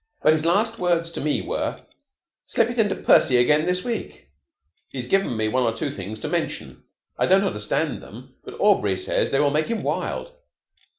But his last words to me were, 'Slip it into Percy again this week.' He has given me one or two things to mention. I don't understand them, but Aubrey says they will make him wild."